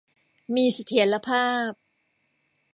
มีเสถียรภาพ